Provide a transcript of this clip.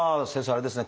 あれですね